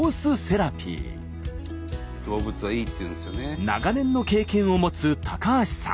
長年の経験を持つ高橋さん。